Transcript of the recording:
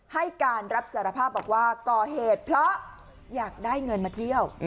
ให้การรับสารภาพบอกว่าก่อเหตุเพราะอยากได้เงินมาเที่ยว